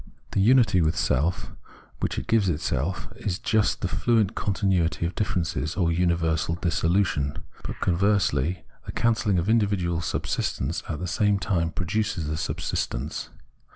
The unity with self, which it gives itself, is just the fluent continuity of difier ences, or universal dissolution. But, conversely, the cancelling of individual subsistence at the same time produces the subsistence.